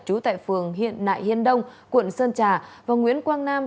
chú tại phường hiện nại hiên đông quận sơn trà và nguyễn quang nam